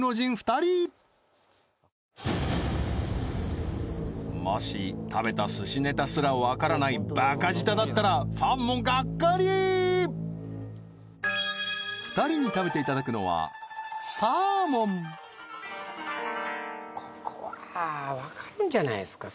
２人もし食べた寿司ネタすらわからないバカ舌だったらファンもガッカリ２人に食べていただくのはここは分かるんじゃないですか？